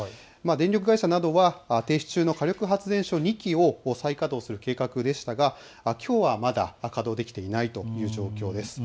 電力会社などは停止中の火力発電所２基を再稼働する計画でしたがきょうはまだ稼働できていないという状況です。